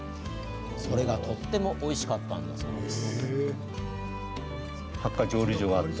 それが、とってもおいしかったんだそうです。